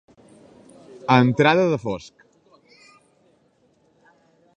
A entrada de fosc.